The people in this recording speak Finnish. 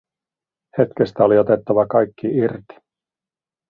Hetkestä oli otettava kaikki irti.